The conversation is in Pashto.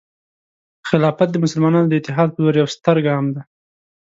خلافت د مسلمانانو د اتحاد په لور یو ستر ګام دی.